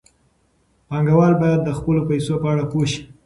پانګوال باید د خپلو پیسو په اړه پوه شي.